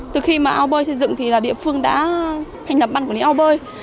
từ khi mà ao bơi xây dựng thì là địa phương đã hành lập băn của những ao bơi